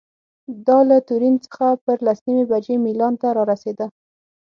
دا له تورین څخه پر لس نیمې بجې میلان ته رارسېده.